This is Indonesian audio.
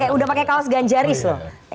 udah pake kaos ganjaris loh